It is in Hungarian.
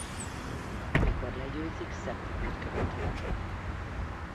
Amikor legyőzik szeppukut követ el.